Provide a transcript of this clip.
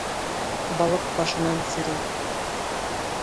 Балыҡ башынан серей.